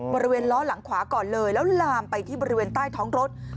บริเวณล้อหลังขวาก่อนเลยแล้วลามไปที่บริเวณใต้ท้องรถ